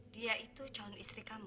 dia itu calon istri kamu